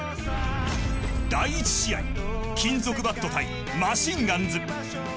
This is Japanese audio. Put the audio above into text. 第１試合金属バット対マシンガンズ。